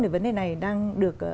về vấn đề này đang được